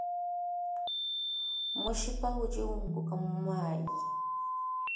Mushipa udi umbuka mumayi.